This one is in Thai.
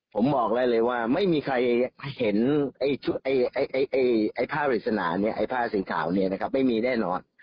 ผมบอกเลยเลยว่าไม่มีใครเห็นไอ้ผ้าศิลป์ขาวเนี่ยนะครับไม่มีแน่นอน